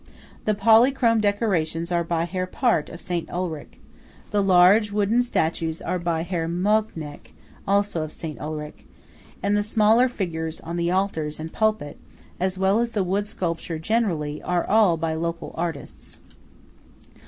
The polychrome decorations are by Herr Part of St. Ulrich; the large wooden statues are by Herr Mochneght, also of St. Ulrich; and the smaller figures on the altars and pulpit, as well as the wood sculpture generally, are all by local artists.